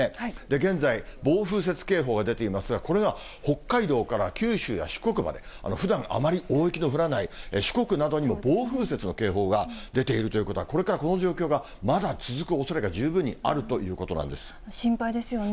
現在、暴風雪警報が出ていますが、これが北海道から九州や四国まで、ふだんあまり大雪の降らない四国などにも、暴風雪の警報が出ているということは、これからこの状況がまだ続くおそれが十分にある心配ですよね。